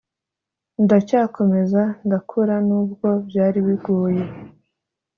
ndacyakomeza ndakura nubwo byari bigoye